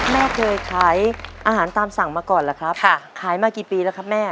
แม่เคยขายอาหารตามสั่งมาก่อนหรือครับค่ะขายมากี่ปีแล้วครับแม่